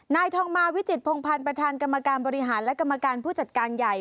นายทองมาวิจิตพงภัณฑ์ประธานกรรมการบริหารและกรรมการผู้จัดการใหญ่